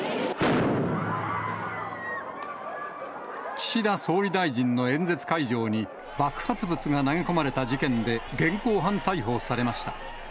岸田総理大臣の演説会場に爆発物が投げ込まれた事件で現行犯逮捕されました。